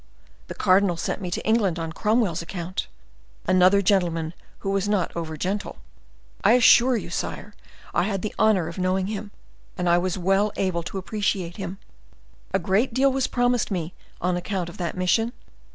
The cardinal sent me to England on Cromwell's account; another gentleman who was not over gentle, I assure you, sire. I had the honor of knowing him, and I was well able to appreciate him. A great deal was promised me on account of that mission.